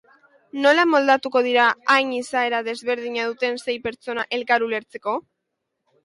Nola moldatuko dira hain izaera desberdina duten sei pertsona elkar ulertzeko?